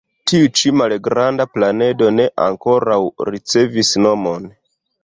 Tiu-ĉi malgranda planedo ne ankoraŭ ricevis nomon.